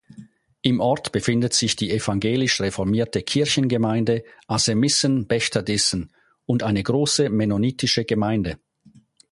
Im Ort befindet sich die evangelisch-reformierte Kirchengemeinde Asemissen-Bechterdissen und eine große mennonitische Gemeinde.